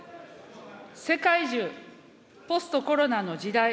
世界中、ポストコロナの時代。